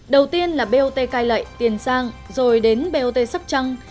đầu tiên là bot cai lệ tiền giang rồi đến bot sóc trăng